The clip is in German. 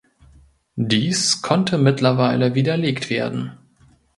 Dies konnte mittlerweile widerlegt werden.